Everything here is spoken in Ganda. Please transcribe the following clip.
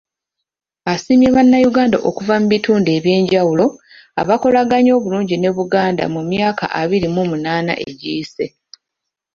Asiimye Bannayuganda okuva mu bitundu ebyenjawulo, abakolaganye obulungi ne Buganda mu myaka abiri mu munaana egiyise.